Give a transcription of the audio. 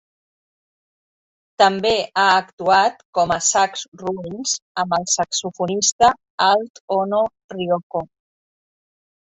També ha actuat com a Sax Ruins amb el saxofonista alt Ono Ryoko.